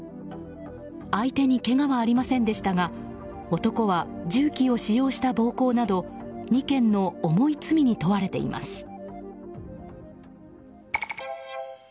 相手にけがはありませんでしたが男は銃器を使用した暴行など２件の重い罪に問われています。